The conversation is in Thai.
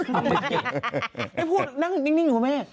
ไม่พูดนิ่งนะครับแม่ง